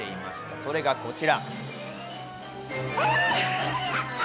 それがこちら。